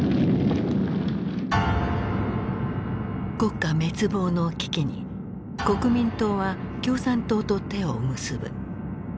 国家滅亡の危機に国民党は共産党と手を結ぶ。